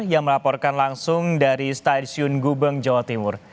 yang melaporkan langsung dari stasiun gubeng jawa timur